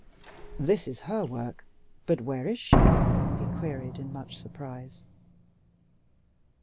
"This is her work, but where is she?" he queried in much surprise.